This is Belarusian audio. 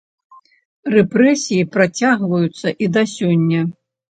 Рэпрэсіі працягваюцца і да сёння.